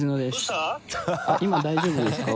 今大丈夫ですか？